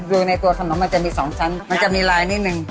ดูในตัวคำน้องมันจะมีสองชั้นมันจะมีลายนิดนึง